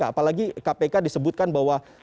apalagi kpk disebutkan bahwa